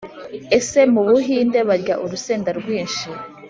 Ese mubuhinde barya urusenda rwinshi?